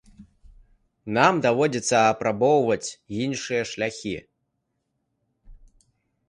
Нам даводзіцца апрабоўваць іншыя шляхі.